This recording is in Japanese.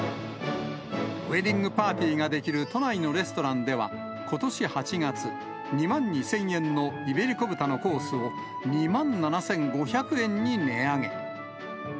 ウエディングパーティーができる都内のレストランでは、ことし８月、２万２０００円のイベリコ豚のコースを、２万７５００円に値上げ。